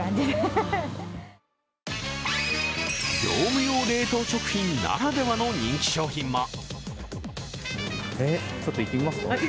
業務用冷凍食品ならではの人気商品も。